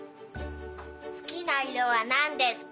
すきないろはなんですか？